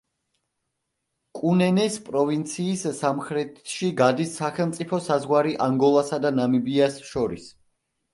კუნენეს პროვინციის სამხრეთში გადის სახელმწიფო საზღვარი ანგოლასა და ნამიბიას შორის.